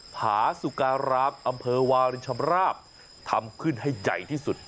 ผาสุการามอำเภอวารินชำราบทำขึ้นให้ใหญ่ที่สุด